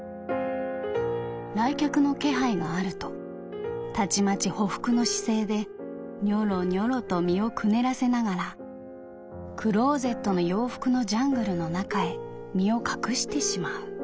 「来客の気配があるとたちまち匍匐の姿勢でにょろにょろと身をくねらせながらクローゼットの洋服のジャングルの中へ身を隠してしまう。